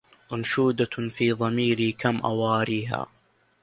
أنشودة في ضميري كم أواريها